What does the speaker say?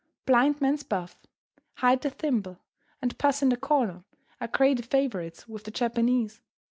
"Blind man's buff," "Hide the thimble," and "Puss in the corner," are great favourites with the Japanese.